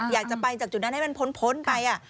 อยากจะไปจากจุดนั้นให้มันพ้นไป